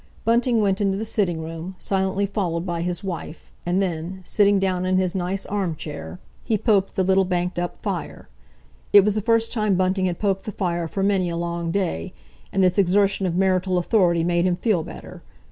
Bunting went into the sitting room, silently followed by his wife, and then, sitting down in his nice arm chair, he poked the little banked up fire. It was the first time Bunting had poked the fire for many a long day, and this exertion of marital authority made him feel better.